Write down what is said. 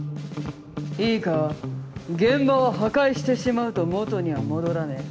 いいか現場は破壊してしまうと元には戻らねえ。